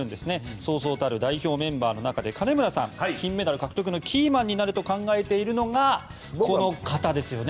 そうそうたる代表メンバーの中で金村さんが金メダル獲得のキーマンと考えているのがこの方ですよね。